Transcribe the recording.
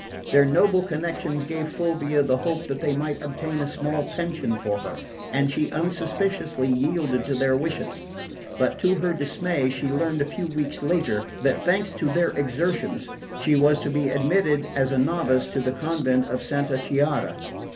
Their noble connections gave Fulvia the hope that they might obtain a small pension for her, and she unsuspiciously yielded to their wishes; but to her dismay she learned a few weeks later, that, thanks to their exertions, she was to be admitted as a novice to the convent of Santa Chiara.